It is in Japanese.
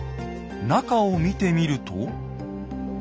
中を見てみると。